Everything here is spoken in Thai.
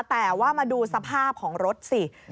แต่ว่ามาดูสภาพของรถสิ